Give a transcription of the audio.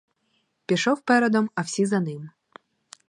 Пішов передом, а всі за ним.